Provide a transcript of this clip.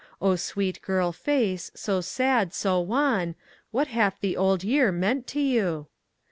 O sweet girl face, so sad, so wan What hath the Old Year meant to you?